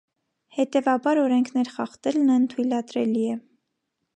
Հետևաբար օրենքներ խախտելն անթույլատրելի է։